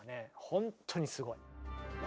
本当にすごい。